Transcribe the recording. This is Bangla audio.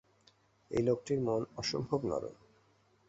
এই লোকটির মন অসম্ভব নরম।